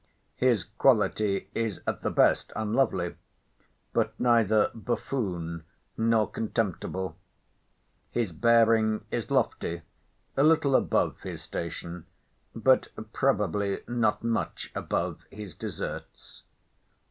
His quality is at the best unlovely, but neither buffoon nor contemptible. His bearing is lofty, a little above his station, but probably not much above his deserts.